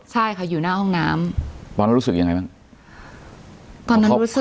ใช่ค่ะอยู่หน้าห้องน้ำตอนนั้นรู้สึกยังไงบ้างตอนนั้นรู้สึก